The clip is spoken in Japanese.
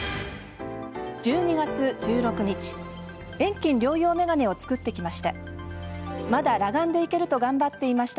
１２月１６日遠近両用眼鏡を作ってきました。